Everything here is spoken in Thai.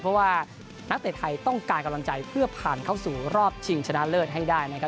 เพราะว่านักเตะไทยต้องการกำลังใจเพื่อผ่านเข้าสู่รอบชิงชนะเลิศให้ได้นะครับ